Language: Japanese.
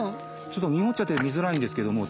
ちょっとにごっちゃって見づらいんですけども。